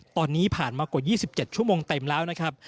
ตอนนี้ผ่านมากว่า๒๗ชั่วโมงเต็มแล้วนะครับ